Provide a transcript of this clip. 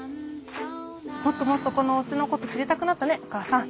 もっともっとこのおうちのこと知りたくなったねお母さん。